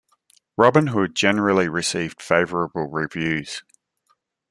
"Robin Hood" generally received favorable reviews.